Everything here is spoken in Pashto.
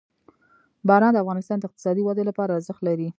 باران د افغانستان د اقتصادي ودې لپاره ارزښت لري.